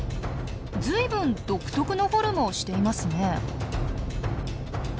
随分独特のフォルムをしていますね。